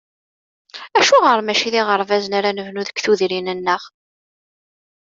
Acuɣer mačči d iɣerbazen ara nbennu deg tudrin-nneɣ?